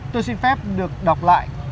tôi xin phép được đọc lại